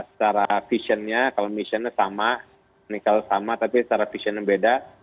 secara visionnya kalau missionnya sama nikel sama tapi secara visionnya beda